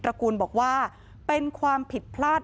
ระกูลบอกว่าเป็นความผิดพลาด